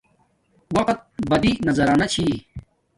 وقت بلندی نزانی چھی